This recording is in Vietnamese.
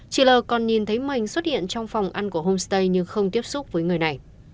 chị l còn nhìn thấy mình xuất hiện trong phòng ăn của homestay nhưng không tiếp xúc với người này